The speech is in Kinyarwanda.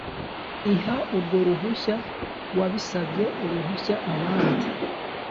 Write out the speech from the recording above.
iha urwo ruhushya wabisabye urusha abandi